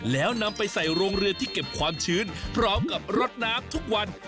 แล้วนำไปใส่โรงเรือนที่เก็บความชื้นพร้อมกับรดน้ำทุกวัน